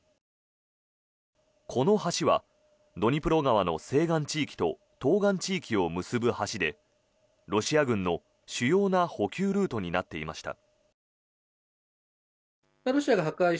この橋はドニプロ川の西岸地域と東岸地域を結ぶ橋でロシア軍の主要な補給ルートになっていました。